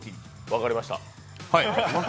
分かりました。